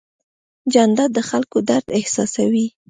جانداد د خلکو درد احساسوي.